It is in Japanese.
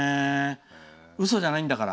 うそじゃないんだから。